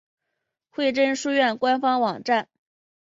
惠贞书院官方网站